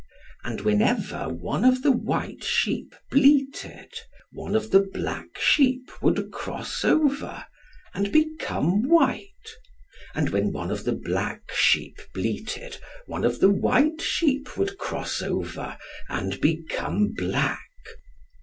And whenever one of the white sheep bleated, one of the black sheep would cross over, and become white; and when one of the black sheep bleated, one of the white sheep would cross over, and become black.